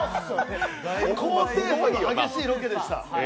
高低差が激しいロケでした。